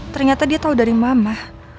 ternyata dia tahu dari mama